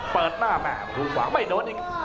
เปิดหน้าแหมฮุกหวังไม่โดนอีกครับ